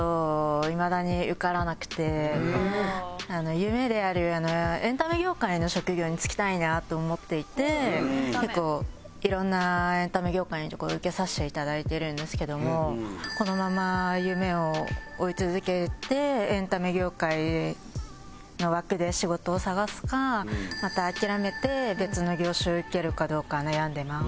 夢であるエンタメ業界の職業に就きたいなと思っていて結構いろんなエンタメ業界のところを受けさせていただいてるんですけどもこのまま夢を追い続けてエンタメ業界の枠で仕事を探すかまた諦めて別の業種を受けるかどうか悩んでます。